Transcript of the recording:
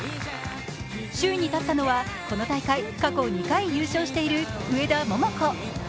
首位に立ったのは、この大会過去２回優勝している上田桃子。